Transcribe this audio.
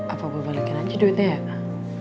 apa gue balekin aja duitnya ya